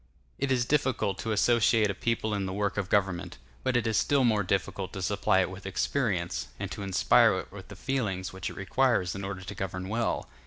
It is difficult to associate a people in the work of government; but it is still more difficult to supply it with experience, and to inspire it with the feelings which it requires in order to govern well.